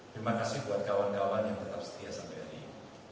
terima kasih buat kawan kawan yang tetap setia sampai hari ini